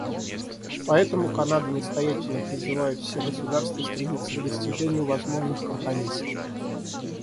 Поэтому Канада настоятельно призывает все государства стремиться к достижению возможных компромиссов.